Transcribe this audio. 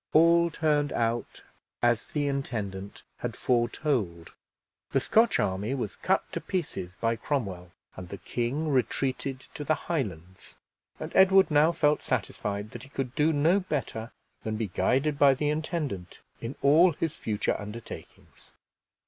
All turned out as the intendant had foretold. The Scotch army was cut to pieces by Cromwell, and the king retreated to the Highlands; and Edward now felt satisfied that he could do no better than be guided by the intendant in all his future undertakings.